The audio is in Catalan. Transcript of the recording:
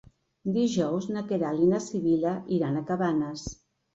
Dijous na Queralt i na Sibil·la iran a Cabanes.